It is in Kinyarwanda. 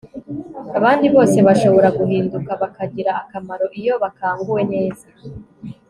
abandi bose bashobora guhinduka bakagira akamaro iyo bakanguwe neza